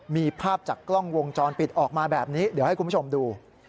มีภาพจากกล้องวงจรปิดออกมาแบบนี้เดี๋ยวให้คุณผู้ชมดู